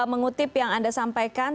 mengutip yang anda sampaikan